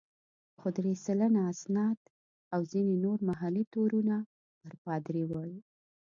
خو درې سلنه اسناد او ځینې نور محلي تورونه پر پادري ول.